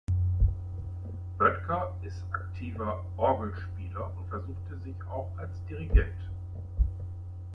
Böttger ist aktiver Orgelspieler und versuchte sich auch als Dirigent.